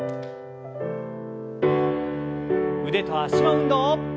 腕と脚の運動。